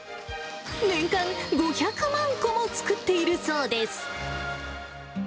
年間５００万個も作っているそうです。